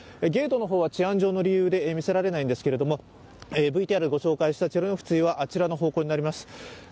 ゲートの方は治安上の理由で見せられないんですけど、ＶＴＲでご紹介したチェルノフツィはあちらの方向になります。